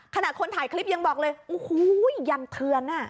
ขนาดคนถ่ายคลิปยังบอกเลยโอ้โหยันเทือนอ่ะ